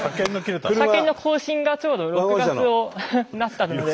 車検の更新がちょうど６月をなったので。